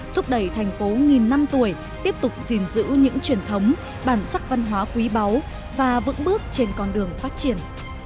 thúc đẩy thành phố nghìn năm tuổi tiếp tục gìn giữ những truyền thống bản sắc văn hóa quý báu và vững bước trên con đường phát triển